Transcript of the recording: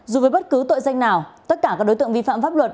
dù với bất cứ tội danh nào tất cả các đối tượng vi phạm pháp luật